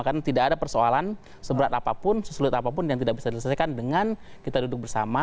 karena tidak ada persoalan seberat apapun sesulit apapun yang tidak bisa diselesaikan dengan kita duduk bersama